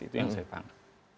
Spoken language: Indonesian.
itu yang saya tangkap